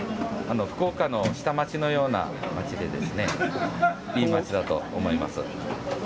福岡の下町のような町で、いい街だと思います。